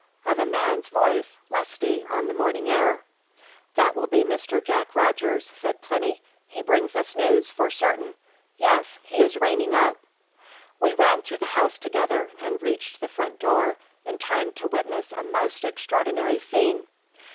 of a man's voice, lusty on the morning air. "That will be Mr. Jack Rogers," said Plinny. "He brings us news, for certain! Yes; he is reining up." We ran through the house together, and reached the front door in time to witness a most extraordinary scene.